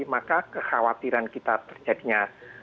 maka kekhawatiran kita terjadinya